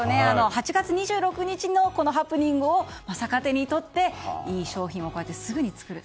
８月２６日のこのハプニングを逆手にとっていい商品をすぐに作る。